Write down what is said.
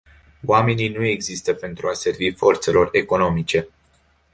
Oamenii nu există pentru a servi forțelor economice.